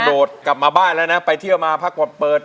โดดกลับมาบ้านแล้วนะไปเที่ยวมาพักผ่อนเปิด